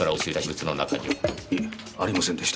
いえありませんでした。